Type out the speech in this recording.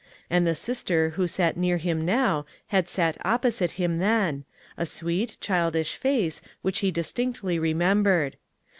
And the sister who sat near him now had sat opposite him then — a sweet, childish face which he distinctly remembered.